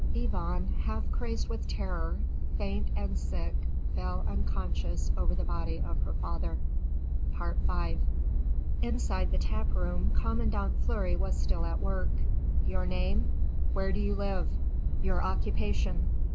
Yvonne, half crazed with terror, faint and sick, fell unconscious over the body of her father. V Inside the tap room commandant Fleury was still at work. "Your name?" "Where do you live?" "Your occupation?"